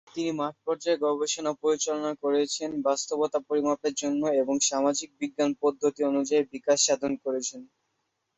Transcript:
তিনি মাঠ পর্যায়ে গবেষণা পরিচালনা করেছেন বাস্তবতা পরিমাপের জন্য এবং সামাজিক বিজ্ঞান পদ্ধতি অনুযায়ী বিকাশ সাধন করেছেন।